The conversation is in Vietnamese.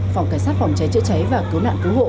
phòng cảnh sát phòng cháy chữa cháy và cứu nạn cứu hộ